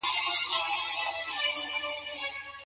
ولي خلګ ناوړه رواجونه لازم ګڼي؟